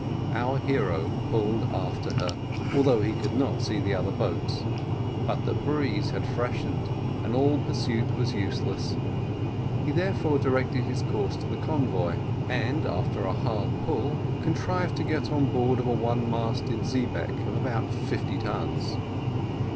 Our hero pulled after her, although he could not see the other boats; but the breeze had freshened, and all pursuit was useless: he therefore directed his course to the convoy, and, after a hard pull, contrived to get on board of a one masted xebeque, of about fifty tons.